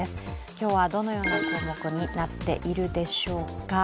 今日はどのような項目になっているでしょうか。